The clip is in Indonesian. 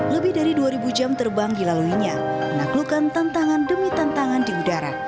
lebih dari dua ribu jam terbang dilaluinya menaklukkan tantangan demi tantangan di udara